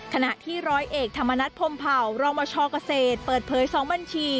ขณะที่ร้อยเอกธรรมนัฐพรมเผ่ารองบชเกษตรเปิดเผย๒บัญชี